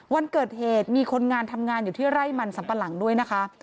วันเกิดเหตุมีคนงานทำงานอยู่ที่ไร่มันสัมปะหลังด้วยนะคะ